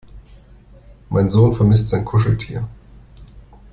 Mein Sohn vermisst sein Kuscheltier.